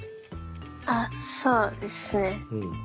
あそうですね。